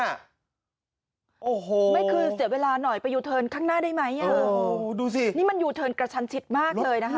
ไม่คือเสียเวลาหน่อยไปยูเทิร์นข้างหน้าได้ไหมนี่มันยูเทิร์นกระชันชิดมากเลยนะฮะ